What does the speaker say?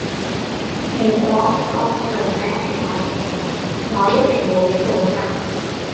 如果個細路仔係我嘅，我一定會負責